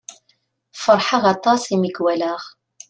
Feṛḥeɣ aṭas i mi k-walaɣ.